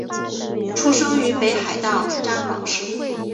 出生于北海道札幌市。